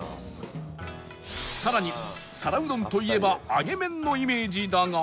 さらに皿うどんといえば揚げ麺のイメージだが